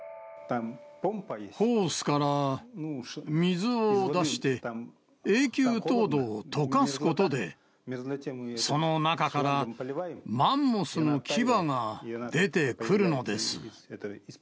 ホースから水を出して、永久凍土をとかすことで、その中からマンモスの牙が出てくるのです。